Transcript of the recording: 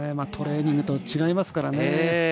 トレーニングとは違いますからね。